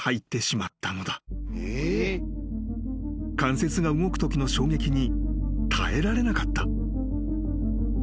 ［関節が動くときの衝撃に耐えられなかった］